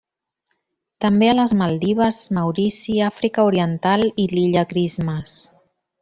També a les Maldives, Maurici, Àfrica Oriental i l'Illa Christmas.